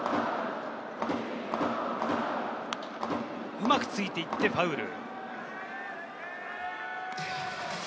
うまくついていってファウル。